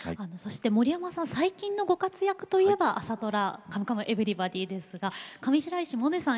森山さん、最近のご活躍が朝ドラ「カムカムエヴリバディ」ですが上白石萌音さん